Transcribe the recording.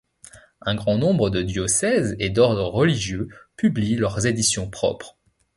Un grand nombre de diocèses et d'ordres religieux publient leurs éditions propres.